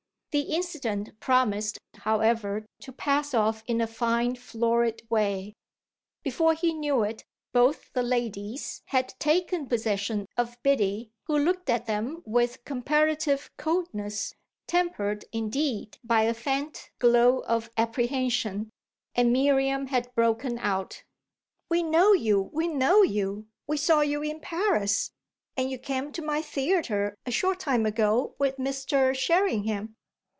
The incident promised, however, to pass off in a fine florid way. Before he knew it both the ladies had taken possession of Biddy, who looked at them with comparative coldness, tempered indeed by a faint glow of apprehension, and Miriam had broken out: "We know you, we know you; we saw you in Paris, and you came to my theatre a short time ago with Mr. Sherringham!"